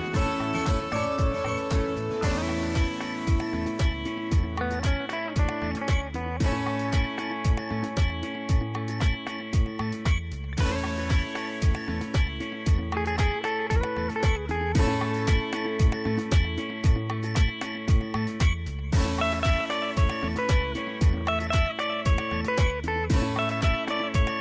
โปรดติดตามต่อไป